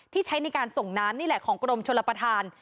ใช้ในการส่งน้ำนี่แหละของกรมชลประธาน